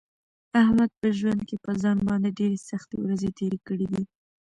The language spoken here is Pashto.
احمد په ژوند کې په ځان باندې ډېرې سختې ورځې تېرې کړې دي.